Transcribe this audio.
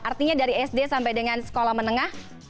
artinya dari sd sampai dengan sekolah menengah